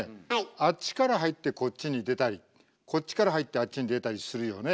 あっちから入ってこっちに出たりこっちから入ってあっちに出たりするよね。